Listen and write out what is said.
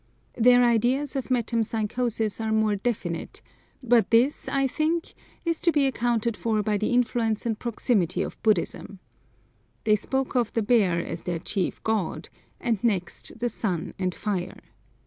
Their ideas of metempsychosis are more definite, but this, I think, is to be accounted for by the influence and proximity of Buddhism. They spoke of the bear as their chief god, and next the sun and fire.